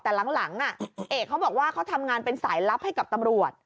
แต่หลังเอกเขาบอกว่าเขาทำงานเป็นสายลับให้กับตำรวจ